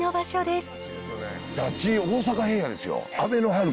あっち大阪平野ですよ。